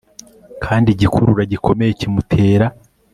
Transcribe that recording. Kandi igikurura gikomeye kimutera